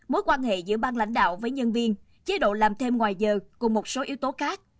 mối quan hệ giữa bang lãnh đạo với nhân viên chế độ làm thêm ngoài giờ cùng một số yếu tố khác